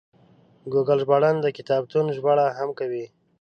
ګوګل ژباړن د کتابونو ژباړه هم کوي.